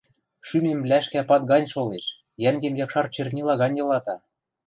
Шӱмем лӓшкӓ пад гань шолеш, йӓнгем якшар чернила гань йылата...